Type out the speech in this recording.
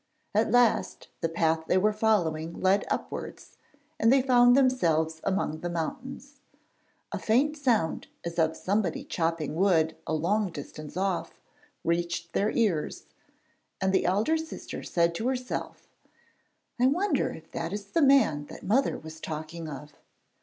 At last the path they were following led upwards, and they found themselves among the mountains. A faint sound as of somebody chopping wood a long distance off reached their ears, and the elder sister said to herself, 'I wonder if that is the man that mother was talking of.'